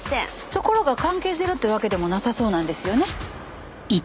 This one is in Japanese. ところが関係ゼロってわけでもなさそうなんですよね。